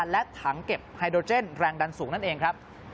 และถังเก็บไฮโดรเจนแรงดันสูงนั่นเองครับ